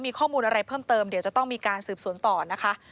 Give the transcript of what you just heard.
มีข้อมูลอะไรเพิ่มเติมเดี๋ยวจะต้องมีการสืบสวนต่อนะคะ